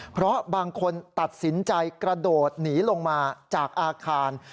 เพราะบางคนตัดสินใจกระโดดหนีลงมาจากอาคาร